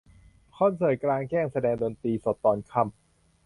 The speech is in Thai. คอนเสิร์ตกลางแจ้งแสดงดนตรีสดตอนค่ำ